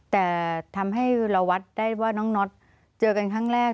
แต่ทำให้เราวัดได้ว่าน้องน็อตเจอกันครั้งแรก